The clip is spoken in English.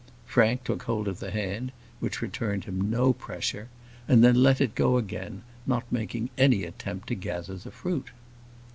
Frank took hold of the hand, which returned him no pressure, and then let it go again, not making any attempt to gather the fruit.